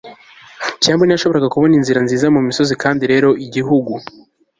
kiambu ntiyashoboraga kubona inzira nziza mumisozi. kandi rero igihugu